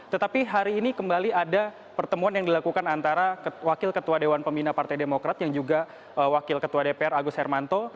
tetapi hari ini kembali ada pertemuan yang dilakukan antara wakil ketua dewan pembina partai demokrat yang juga wakil ketua dpr agus hermanto